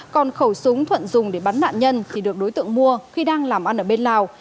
còn khẩu súng thuận dùng để bắn nạn nhân thì được đối tượng mua khi đang làm ăn ở bên lào